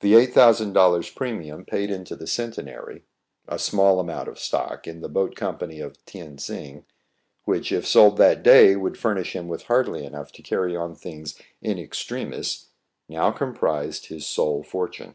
The eight thousand dollars premium paid into the Centenary, a small amount of stock in the Boat Company of Tien sing, which, if sold that day, would furnish him with hardly enough to carry on things in ex tremis^ now comprised his sole fortune.